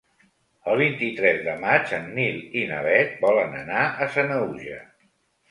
El vint-i-tres de maig en Nil i na Bet volen anar a Sanaüja.